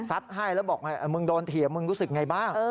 ให้แล้วบอกมึงโดนเถียมึงรู้สึกไงบ้าง